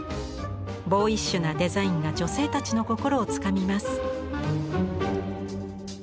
ボーイッシュなデザインが女性たちの心をつかみます。